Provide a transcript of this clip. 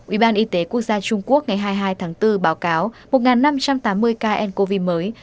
ủy ban y tế quốc gia trung quốc ngày hai mươi hai tháng bốn báo cáo một năm trăm tám mươi ca ncov mới